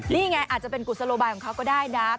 นี่ไงอาจจะเป็นกุศโลบายของเขาก็ได้นะ